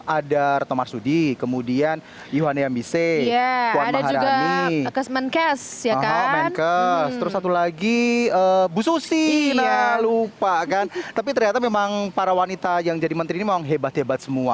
ada retno marsudi kemudian yuhane yamise puan baharani terus satu lagi bu susi tapi ternyata memang para wanita yang jadi menteri ini memang hebat hebat semua